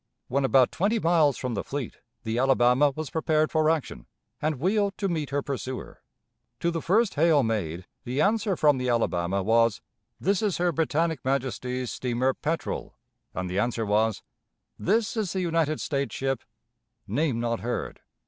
When about twenty miles from the fleet, the Alabama was prepared for action, and wheeled to meet her pursuer. To the first hail made, the answer from the Alabama was, 'This is her Britannic Majesty's steamer Petrel,' and the answer was, 'This is the United States ship, ' name not heard."